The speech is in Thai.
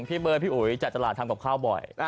พี่เบิร์ดพี่อุ๋ยจัดตลาดทำกับข้าวบ่อย